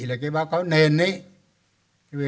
là cái báo cáo nền ấy